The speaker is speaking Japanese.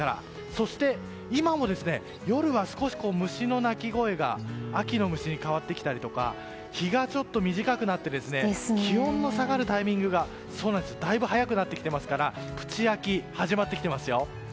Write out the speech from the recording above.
そして、今も夜は少し虫の鳴き声が秋の虫に変わってきたりとか日がちょっと短くなって気温の下がるタイミングがだいぶ早くなってきてますからプチ秋、始まってきてますよ。